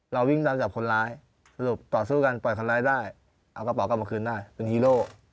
เราวิ่งเจอคนร้ายสรุปต่อสู้กันยากได้เอากระเป๋ากลัวมาจะเป็นฮีโร่